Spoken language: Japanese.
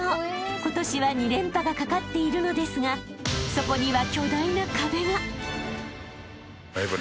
［今年は２連覇がかかっているのですがそこには巨大な壁が］